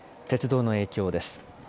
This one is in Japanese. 鉄道の影響です。